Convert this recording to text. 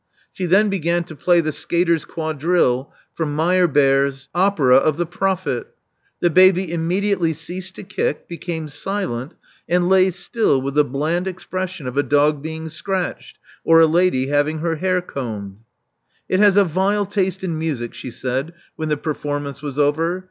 She then began to play the Skaters* Quadrille from Meyerbeer's opera of The Prophet" The baby immediately ceased to kick; became silent; and lay still with the bland expression of a dog being scratched, or a lady having her hair combed. It has a vile taste in music," she said, when the performance was over.